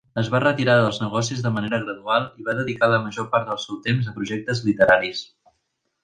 Es va retirar dels negocis de manera gradual i va dedicar la major part del seu temps a projectes literaris.